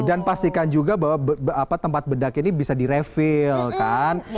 dan pastikan juga bahwa tempat bedak ini bisa direfill kan